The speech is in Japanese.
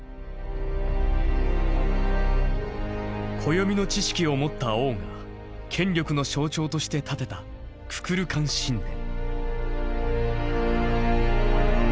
暦の知識を持った王が権力の象徴として建てたククルカン神殿。